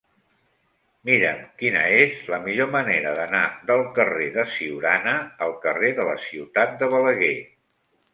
Mira'm quina és la millor manera d'anar del carrer de Siurana al carrer de la Ciutat de Balaguer.